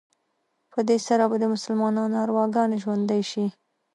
په دې سره به د مسلمانانو ارواګانې ژوندي شي.